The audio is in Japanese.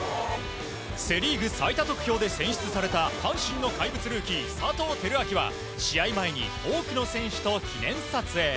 セ・リーグ最多得票で選出された阪神の怪物ルーキー佐藤輝明は試合前に多くの選手と記念撮影。